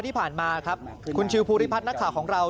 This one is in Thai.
ที่ผ่านมาครับคุณชิวภูริพัฒน์นักข่าวของเรา